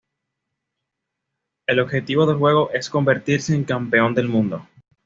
El objetivo del jugador es convertirse en Campeón del Mundo.